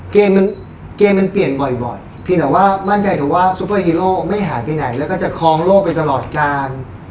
เกมมันเกมมันเปลี่ยนบ่อยเพียงแต่ว่ามั่นใจอยู่ว่าซุปเปอร์ฮีโร่ไม่หายไปไหนแล้วก็จะคล้องโลกไปตลอดการ